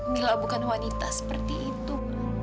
mila bukan wanita seperti itu ma